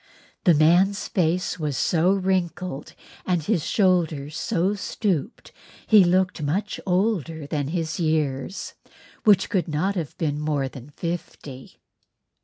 The man's face was so wrinkled and his shoulders so stooped he looked a much older man than his years, which could not have been more than fifty.